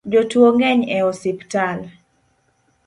Jotuo ng'eny e osiptal